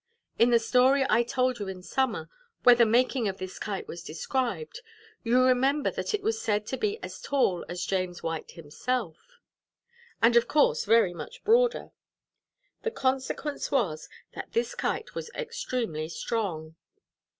In the story I told you in summer, where the making of this Kite was described, you remember that it was said to be as tall as James White himself, and of course very much broader. The consequence was, that this Kite was extremely strong.